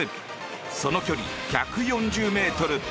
その距離、１４０ｍ。